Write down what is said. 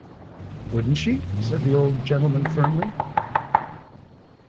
‘“Wouldn’t she?” said the old gentleman firmly.